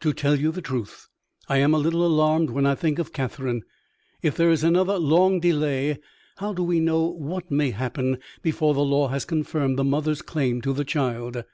"To tell you the truth, I am a little alarmed when I think of Catherine. If there is another long delay, how do we know what may happen before the law has confirmed the mother's claim to the child?